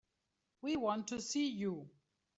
We want to see you.